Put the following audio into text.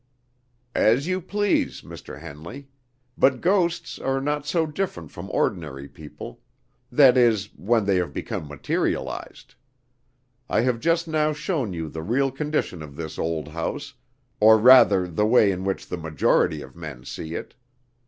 "As you please, Mr. Henley; but ghosts are not so different from ordinary people that is, when they have become materialized. I have just now shown you the real condition of this old house, or rather the way in which the majority of men see it.